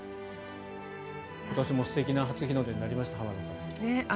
今年も素敵な初日の出になりました、浜田さん。